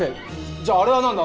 じゃああれは何だ？